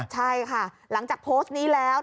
ใช่ค่ะหลังจากโพสต์นี้แล้ว